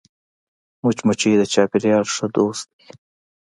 مچمچۍ د چاپېریال ښه دوست ده